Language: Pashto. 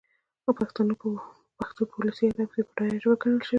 پښتو په اولسي ادب کښي بډايه ژبه ګڼل سوې.